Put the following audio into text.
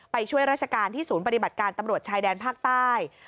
ไปช่วยราชการที่ศูนย์ปฏิบัติการตำรวจชายแดนภาคใต้